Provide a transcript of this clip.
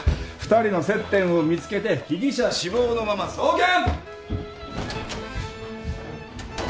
２人の接点を見つけて被疑者死亡のまま送検！